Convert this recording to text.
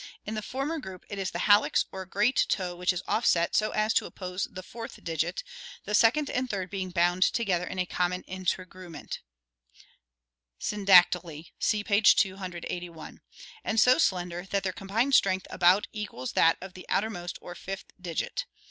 In the former group it is the hallux (see Fig. 46) or great toe which is offset so as to oppose the fourth digit, the second and third being bound together in a common integument (syndactyly, see page 281) and so slender that their combined strength about equals that of the outermost or fifth digit.